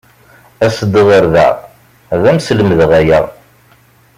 As-d ɣer da, ad am-slemdeɣ aya.